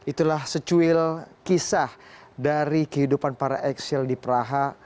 itulah secuil kisah dari kehidupan para eksil di praha